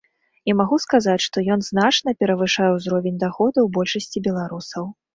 І магу сказаць, што ён значна перавышае ўзровень даходаў большасці беларусаў.